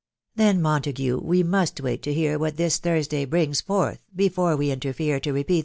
"* Ci Then, Montague^ we must wait $d hear what "this Thurs day brings forth before we interfere to tojws*.